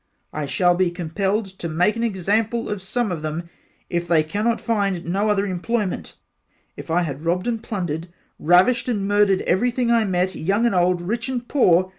I shall be compelled to make an example of some of them if they cannot find no other employment If I had robbed and plundered ravished and murdered everything I met young and old rich and poor.